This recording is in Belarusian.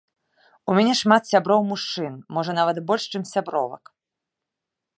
У мяне шмат сяброў-мужчын, можа, нават больш, чым сябровак.